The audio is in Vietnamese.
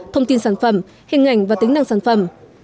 thông tin sản phẩm hình ảnh và tính năng sản phẩm